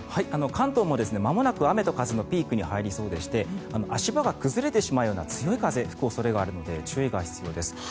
関東もまもなく雨と風のピークに入りそうでして足場が崩れてしまうような強い風が吹く恐れがあるので注意が必要です。